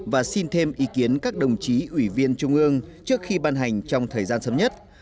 và xin thêm ý kiến các đồng chí ủy viên trung ương trước khi ban hành trong thời gian sớm nhất